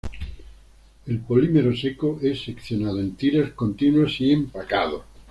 El polímero seco es seccionado en tiras continuas y empacado.